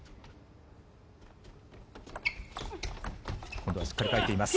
今度はしっかり返しています。